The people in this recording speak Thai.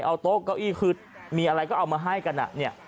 เอาโต๊ะเก้าอี้คือมีอะไรก็เอามาให้กันเนี่ย